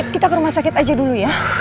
kita ke rumah sakit aja dulu ya